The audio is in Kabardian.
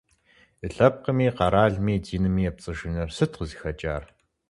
И лъэпкъми, и къэралми, и динми епцӀыжыныр сыт къызыхэкӀар?